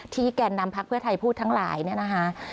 แก่นนำพักเพื่อไทยพูดทั้งหลายเนี่ยนะคะ